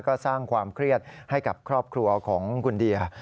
ก็สร้างความเครียดให้กับครอบครัวของคุณเดีย